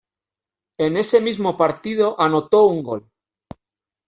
En ese mismo partido anotó un gol.